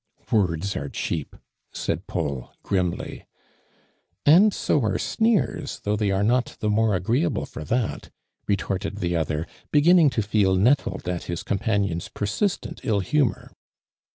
"Words are cheap t" said Paul, grimly. "And BO are sneers, though they are not the more agreeable for that I' ' retorted the other, beginning to feel nettled at his com panion's persistent ill humor.